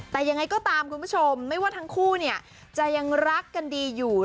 แต่ยังไงก็ตามคุณผู้ชมไม่ว่าทั้งคู่เนี่ยจะยังรักกันดีอยู่